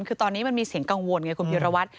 คือตอนนี้มันมีเสียงกังวลไงคุณพิรวัตร